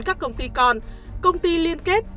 các công ty con công ty liên kết